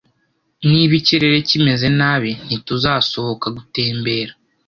Niba ikirere kimeze nabi, ntituzasohoka gutembera